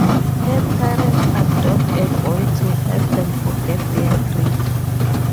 Her parents adopt a boy to help them forget their grief.